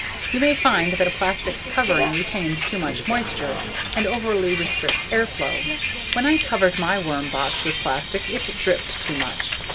You may find that a plastic covering retains too much moisture and overly restricts air flow. When I covered my worm box with plastic it dripped too much.